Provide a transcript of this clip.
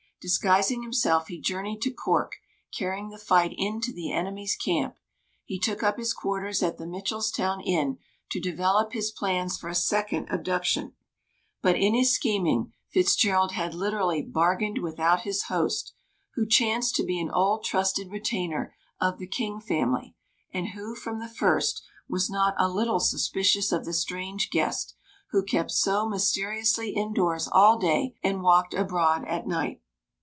Disguising himself, he journeyed to Cork, carrying the fight into the enemy's camp. He took up his quarters at the Mitchelstown Inn to develop his plans for a second abduction. But in his scheming Fitzgerald had literally "bargained without his host," who chanced to be an old trusted retainer of the King family, and who from the first was not a little suspicious of the strange guest, who kept so mysteriously indoors all day and walked abroad at night.